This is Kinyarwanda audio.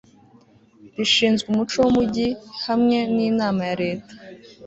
rishinzwe umuco w'umujyi hamwe n'inama ya leta